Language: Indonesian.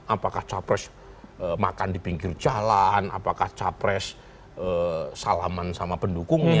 apakah capres makan di pinggir jalan apakah capres salaman sama pendukungnya